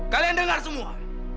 kalian dengar semua